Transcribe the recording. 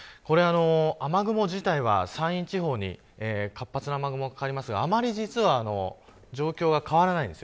雨雲自体は、山陰地方に活発な雨雲がかかりますがあんまり実は状況は変わらないです。